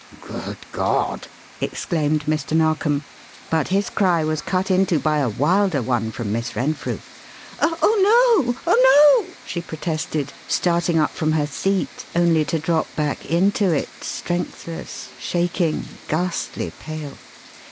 "Good God!" exclaimed Mr. Narkom; but his cry was cut into by a wilder one from Miss Renfrew. "Oh, no! Oh, no!" she protested, starting up from her seat, only to drop back into it, strengthless, shaking, ghastly pale.